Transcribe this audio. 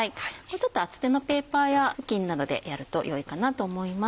ちょっと厚手のペーパーや布巾などでやるとよいかなと思います。